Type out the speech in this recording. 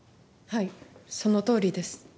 はいそのとおりです。